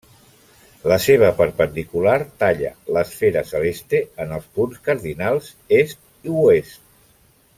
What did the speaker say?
La seva perpendicular talla l'esfera celeste en els punts cardinals est i oest.